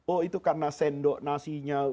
oh itu karena sendok nasinya